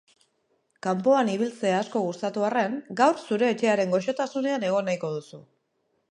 Kanpoan ibiltzea asko gustatu arren, gaur zure etxearen goxotasunean egon nahiko duzu.